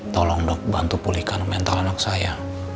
tolong dok bantu pulihkan mental anak saya